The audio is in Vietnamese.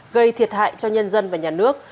gây thiệt hại cho nhân dân và nhà nước